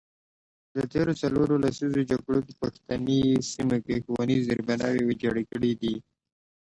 د تیرو څلورو لسیزو جګړو په پښتني سیمو کې ښوونیز زیربناوې ویجاړې کړي دي.